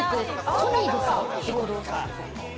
ソニーですか？